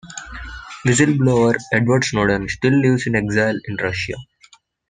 Whistle-blower Edward Snowden still lives in exile in Russia.